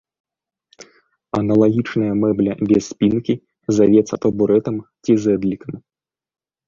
Аналагічная мэбля без спінкі завецца табурэтам ці зэдлікам.